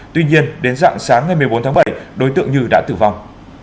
tuy nhiên đến dạng sáng ngày một mươi bốn tháng bảy đối tượng như đã tử vong